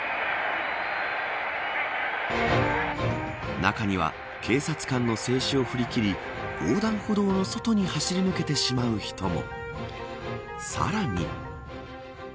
中には警察官の制止を振り切り横断歩道の外に走り抜けてしまう人も。